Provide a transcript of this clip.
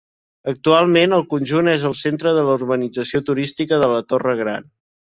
Actualment el conjunt és el centre de la urbanització turística de la Torre Gran.